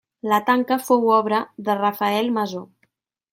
La tanca fou obra de Rafael Masó.